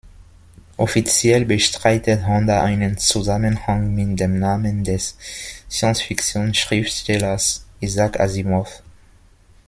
Offiziell bestreitet Honda einen Zusammenhang mit dem Namen des Science-Fiction-Schriftstellers Isaac Asimov.